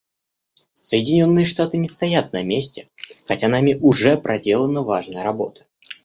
Соединенные Штаты не стоят на месте, хотя нами уже проделана важная работа.